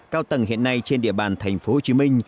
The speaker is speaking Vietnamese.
cao tầng hiện nay trên địa bàn tp hcm